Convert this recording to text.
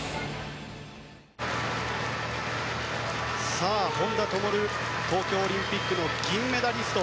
さあ、本多灯東京オリンピックの銀メダリスト。